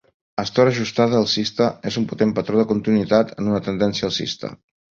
Estora ajustada alcista és un potent patró de continuïtat en una tendència alcista.